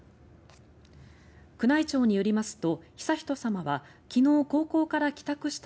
宮内庁によりますと、悠仁さまは昨日高校から帰宅した